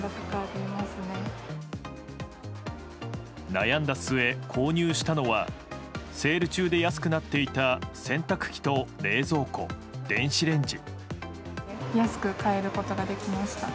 悩んだ末、購入したのはセール中で安くなっていた洗濯機と冷蔵庫、電子レンジ。